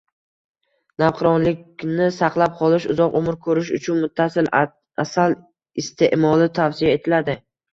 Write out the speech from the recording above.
Navqironlikni saqlab qolish, uzoq umr ko‘rish uchun muttasil asal iste’moli tavsiya etiladi.